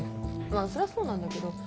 まぁそりゃそうなんだけど。